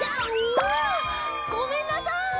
あごめんなさい。